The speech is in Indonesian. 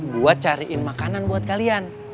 buat cariin makanan buat kalian